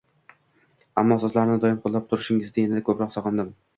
ammo sizlarni doim qo‘llab turishingizni yanada ko‘proq so‘g‘indim.